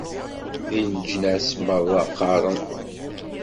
Di leǧnas merra qqaren.